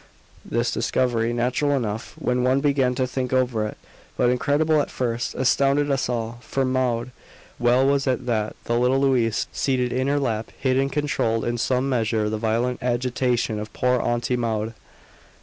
This discovery natural enough when one began to think over it, but incredible at first, astounded us all. For Maud well was it that the little Louise seated in her lap hid and controlled in some measure the violent agitation of poor Auntie Maud.